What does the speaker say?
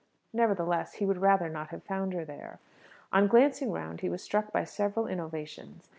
Nevertheless, he would rather not have found her there. On glancing round he was struck by several innovations.